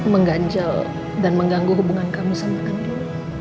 mengganjal dan mengganggu hubungan kamu sama kami